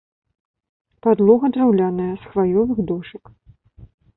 Падлога драўляная, з хваёвых дошак.